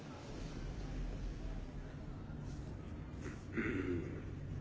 うん。